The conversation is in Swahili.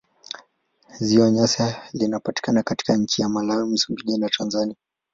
Ziwa Nyasa linapatikana kati ya nchi za Malawi, Msumbiji na Tanzania.